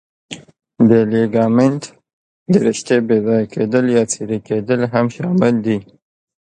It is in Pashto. د لیګامنت د رشتې بې ځایه کېدل یا څیرې کېدل هم شامل دي.